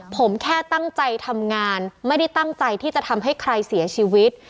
ผมแค่ตั้งใจทำงานไม่ได้ตั้งใจที่จะทำให้ใครเสียชีวิต